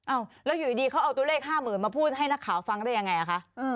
แล้วอยู่ดีเขาเอาตัวเลข๕๐๐๐มาพูดให้นักข่าวฟังได้ยังไงคะ